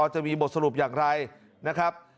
จะมีบทสรุปอย่างไรนะครับ